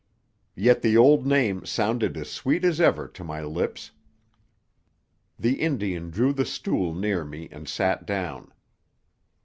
Yet the old name sounded as sweet as ever to my lips. The Indian drew the stool near me and sat down.